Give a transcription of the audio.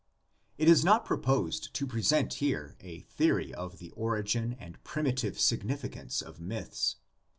It is not proposed to present here a theory of the origin and primitive significance of myths.